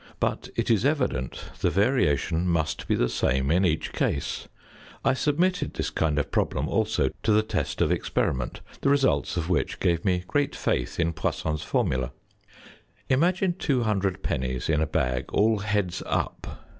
But it is evident the variation must be the same in each case. I submitted this kind of problem also to the test of experiment, the results of which gave me great faith in Poisson's formula. Imagine two hundred pennies in a bag all heads up.